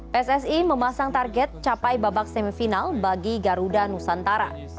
pssi memasang target capai babak semifinal bagi garuda nusantara